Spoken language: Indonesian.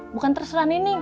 bukan terserah nini